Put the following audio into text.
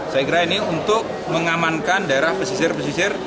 saya kira ini untuk mengamankan daerah pesisir pesisir